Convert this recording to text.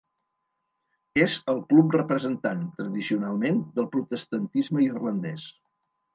És el club representant, tradicionalment, del protestantisme irlandès.